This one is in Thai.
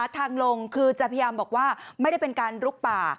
ทางลงคือจะพยายามบอกว่าไม่ได้เป็นการลุกป่า